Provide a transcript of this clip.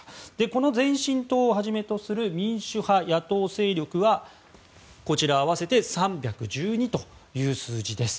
この前進党をはじめとする民主派野党勢力は合わせて３１２という数字です。